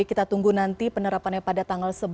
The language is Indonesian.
kita tunggu nanti penerapannya pada tanggal sebelas